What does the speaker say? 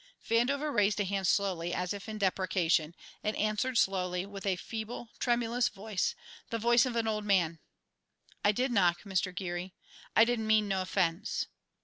Vandover raised a hand slowly as if in deprecation, and answered slowly and with a feeble, tremulous voice, the voice of an old man: "I did knock, Mister Geary; I didn't mean no offence."